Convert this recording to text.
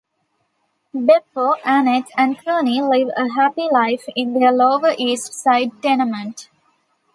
Beppo, Annette and Tony live a happy life in their Lower East Side tenement.